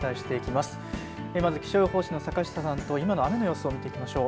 まず気象予報士の坂下さんと今の雨の様子を見ていきましょう。